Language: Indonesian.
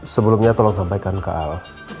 sebelumnya tolong sampaikan ke al